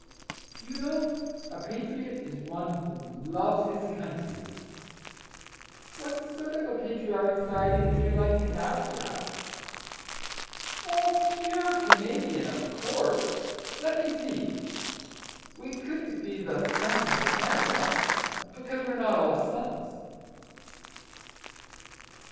You know a patriot is one who loves 78 Our Little Canadian Cousin his country. What sort of a patriotic society would you like to have, Jack ?"" Oh, pure Canadian, of course ! Let me see, — we couldn't be the Sons of Canada, because we are not all sons."